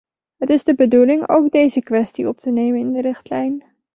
Het is de bedoeling ook deze kwestie op te nemen in de richtlijn.